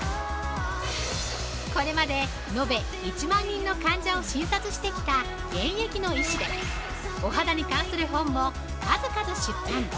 これまで延べ１万人の患者を診察してきた現役の医師でお肌に関する本も数々出版。